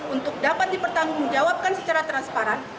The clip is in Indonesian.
untuk dapat dipertanggungjawabkan secara transparan